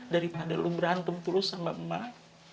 daripada lo merantem terus sama mbak